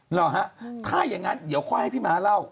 เหรอฮะถ้าอย่างนั้นเดี๋ยวค่อยให้พี่ม้าเล่า